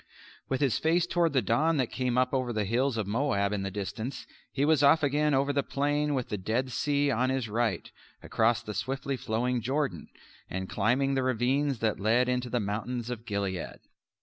With his face toward the dawn that came up over the hills of Moab in the distance, he was off again over the plain with the Dead Sea on his right, across the swiftly flowing Jordan, and climbing the ravines that lead into the mountains of Gilead.